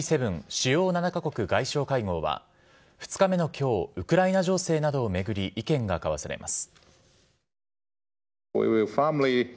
・主要７か国外相会合は２日目のきょう、ウクライナ情勢などを巡り、意見が交わされます。